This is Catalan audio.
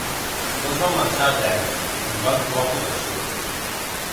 Tots van marxar a Atenes, on van trobar protecció.